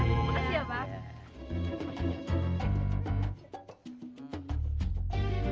terima kasih pak terima kasih